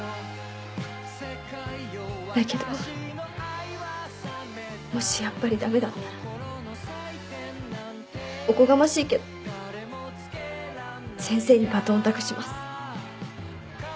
だけどもしやっぱりダメだったらおこがましいけど先生にバトンを託します。